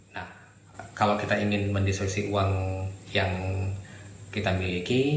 nah kalau kita ingin mendiskusi uang yang kita miliki